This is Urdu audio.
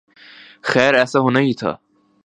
خیر ایسا ہونا ہی تھا۔